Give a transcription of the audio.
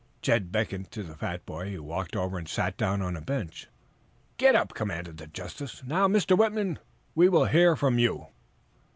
Jed beckoned to the fat boy, who walked over and sat down on a bench. "Get up!" commanded the justice. "Now, Mr. Whitman, we will hear from you."